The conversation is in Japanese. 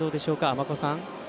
尼子さん。